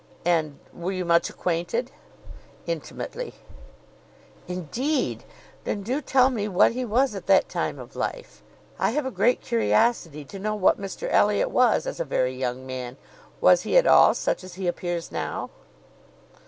"And—were you much acquainted?" "Intimately." "Indeed! Then do tell me what he was at that time of life. I have a great curiosity to know what Mr Elliot was as a very young man. Was he at all such as he appears now?"